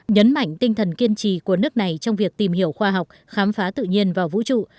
nhấn mạnh tinh thần kiên trì của nước này trong việc tìm hiểu khoa học khám phá tự nhiên vào vũ trụ